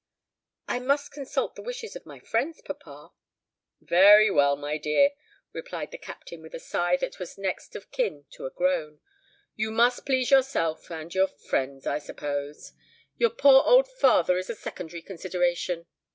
"I must consult the wishes of my friends, papa." "Very well, my dear," replied the Captain, with a sigh that was next of kin to a groan; "you must please yourself and your friends, I suppose; your poor old father is a secondary consideration."